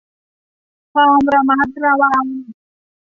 ความระมัดระวัง